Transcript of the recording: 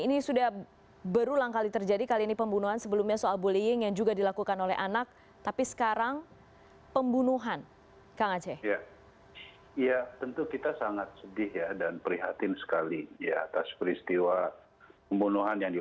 ini sudah berulang kali terjadi kali ini pembunuhan sebelumnya soal bullying yang juga dilakukan oleh anak tapi sekarang pembunuhan kang aceh